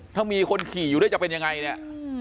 ถ้ามีคนขี่อยู่ด้วยจะเป็นยังไงเนี่ย